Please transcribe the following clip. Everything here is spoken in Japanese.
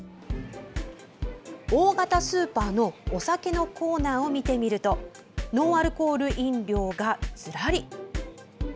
大型スーパーのお酒コーナーを見てみるとノンアルコール飲料がずらり。